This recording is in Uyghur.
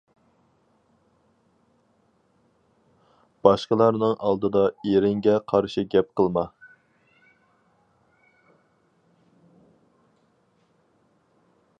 باشقىلارنىڭ ئالدىدا ئېرىڭگە قارشى گەپ قىلما.